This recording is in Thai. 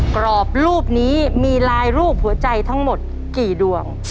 กรอบรูปนี้มีลายรูปหัวใจทั้งหมดกี่ดวง